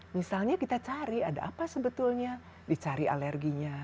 misalnya kita cari ada apa sebetulnya dicari alerginya